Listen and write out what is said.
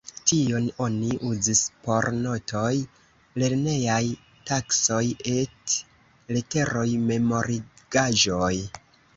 Tion oni uzis por notoj, lernejaj taskoj, et-leteroj, memorigaĵoj.